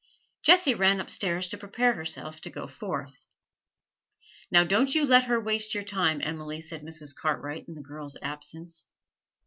Jessie ran upstairs to prepare herself to go forth. 'Now don't you let her waste your time, Emily,' said Mrs. Cartwright, in the girl's absence.